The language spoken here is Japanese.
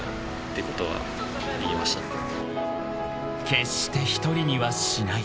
［決して一人にはしない］